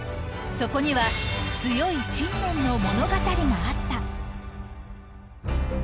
そこには、強い信念の物語があった。